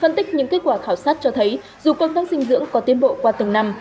phân tích những kết quả khảo sát cho thấy dù công tác dinh dưỡng có tiến bộ qua từng năm